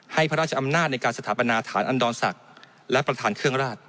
พระราชอำนาจในการสถาปนาฐานอันดรศักดิ์และประธานเครื่องราช